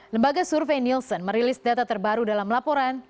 lembaga survei nielsen merilis data terbaru dalam laporan